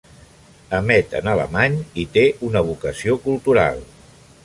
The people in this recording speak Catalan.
Emet en alemany i té una vocació cultural.